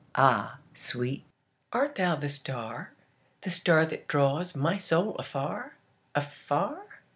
Ah, sweet, art thou the star, the starThat draws my soul afar, afar?